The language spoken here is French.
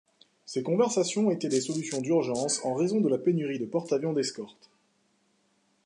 Ces conversions étaient des solutions d'urgences en raison de la pénurie de porte-avions d'escorte.